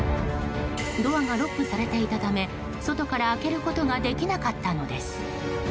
ドアがロックされていたため外から開けることができなかったのです。